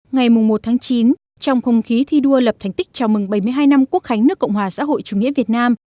ngày một chín trong không khí thi đua lập thành tích chào mừng bảy mươi hai năm quốc khánh nước cộng hòa xã hội chủ nghĩa việt nam